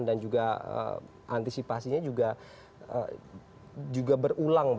dan juga antisipasinya juga berulang